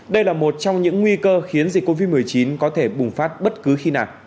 đây là một trong những nguy cơ khiến dịch covid một mươi chín có thể bùng phát bất cứ khi nào